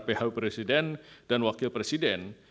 ph presiden dan wakil presiden